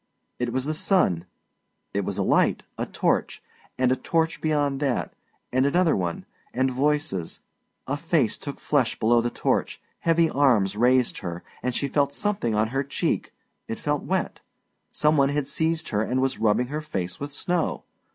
It was the sun, it was a light; a torch, and a torch beyond that, and another one, and voices; a face took flesh below the torch, heavy arms raised her and she felt something on her cheek it felt wet. Some one had seized her and was rubbing her face with snow.